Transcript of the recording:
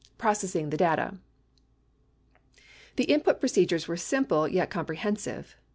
PROCESSING THE DATA The input procedures were simple yet comprehensive.